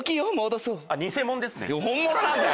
本物なんだよ！